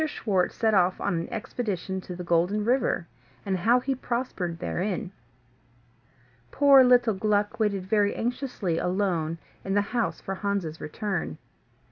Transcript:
SCHWARTZ SET OFF ON AN EXPEDITION TO THE GOLDEN RIVER, AND HOW HE PROSPERED THEREIN Poor little Gluck waited very anxiously alone in the house for Hans's return.